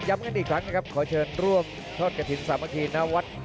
กันอีกครั้งนะครับขอเชิญร่วมทอดกระถิ่นสามัคคีณวัด